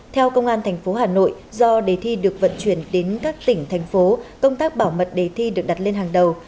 theo công an thành phố hà nội do đề thi được vận chuyển đến các tỉnh thành phố công tác bảo mật đề thi được đặt lên hàng đầu